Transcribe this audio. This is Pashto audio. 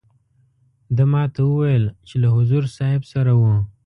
ده ما ته وویل چې له حضور صاحب سره وو.